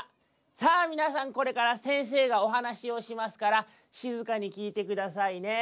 「さあみなさんこれからせんせいがおはなしをしますからしずかにきいてくださいね」。